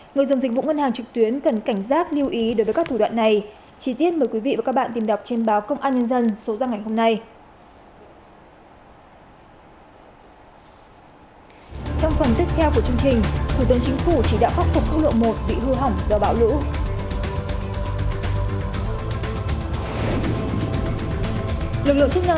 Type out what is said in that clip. người dùng dịch vụ ngân hàng trực tuyến cần cảnh giác lưu ý đối với các thủ đoạn này